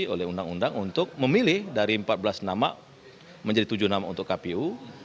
oleh undang undang untuk memilih dari empat belas nama menjadi tujuh nama untuk kpu